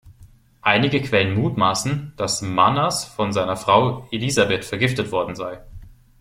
Einige Quellen mutmaßen, dass Manners von seiner Frau Elisabeth vergiftet worden sei.